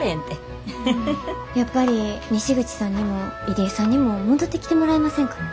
やっぱり西口さんにも入江さんにも戻ってきてもらえませんか？